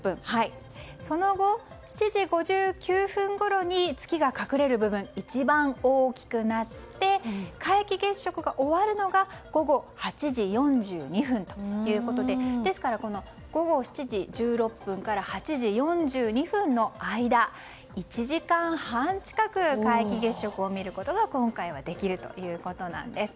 その後、７時５９分ごろに月が隠れる部分が一番大きくなって皆既月食が終わるのが午後８時４２分ということでですから、午後７時１６分から８時４２分の間１時間半近く皆既月食を見ることが今回はできるということです。